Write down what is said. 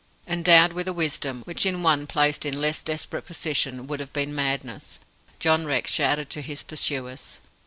Endowed with a wisdom, which in one placed in less desperate position would have been madness, John Rex shouted to his pursuers.